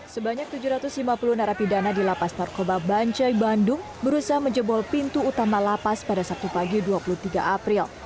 sebanyak tujuh ratus lima puluh narapidana di lapas narkoba bancai bandung berusaha menjebol pintu utama lapas pada sabtu pagi dua puluh tiga april